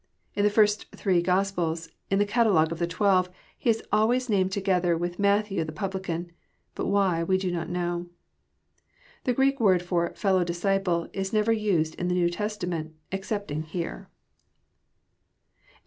In the first three Gospels, in the catalogue of the twelve, he Is always Darned together with Matthew the publican. Bat why we do not know. The Greek word for "fellow disciple" is never nsed in the Kew Testament excepting here. JOHN XI.